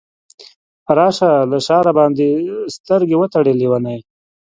راشه له شاه راباندې سترګې وتړه لیونۍ !